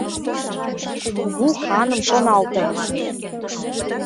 Кугу ханым шоналте!